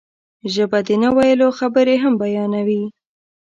ژبه د نه ویلو خبرې هم بیانوي